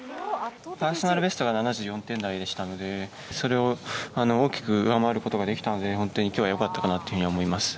パーソナルベストが７４点台でしたので、それを大きく上回ることができたので、本当にきょうはよかったかなっていうふうに思います。